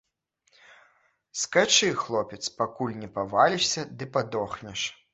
Скачы, хлопец, пакуль не павалішся ды падохнеш.